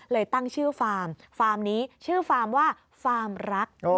ตั้งชื่อฟาร์มฟาร์มนี้ชื่อฟาร์มว่าฟาร์มรัก